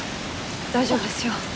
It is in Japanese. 大丈夫ですよ。